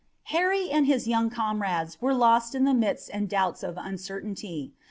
Harry and his young comrades were lost in the mists and doubts of uncertainty.